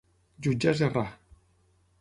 Jutjar és errar.